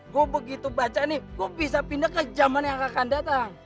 gue begitu baca nih gue bisa pindah ke zaman yang akan datang